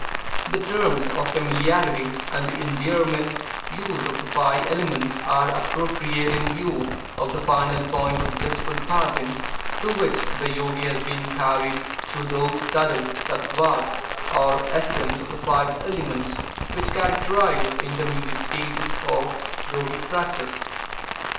[The terms of familiarity and endearment used of the five elements are appropriate in view of the final point of blissful parting to which the yogi has been carried through those subtle tattvas or essences of the five elements which characterize intermediate stages of yogic practice.